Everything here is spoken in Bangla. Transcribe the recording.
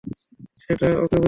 সেটা ওকে বোঝাও।